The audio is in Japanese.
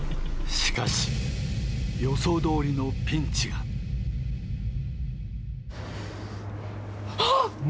しかし予想どおりのピンチがあっ！